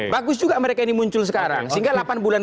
bagus juga mereka ini muncul sekarang sehingga delapan bulan